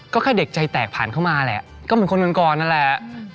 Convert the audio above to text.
ก็แค่เด็กใจแตกผ่านเข้ามาแหละก็เหมือนคนก่อนนั่นแหละ